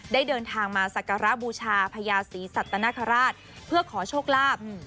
เดินทางมาสักการะบูชาพญาศรีสัตนคราชเพื่อขอโชคลาภ